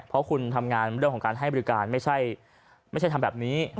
เพราะคุณทำงานเรื่องของการให้บริการไม่ใช่ทำแบบนี้